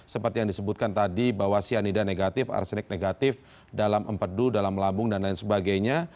seperti yang disebutkan tadi bahwa cyanida negatif arsenik negatif dalam empedu dalam lambung dan lain sebagainya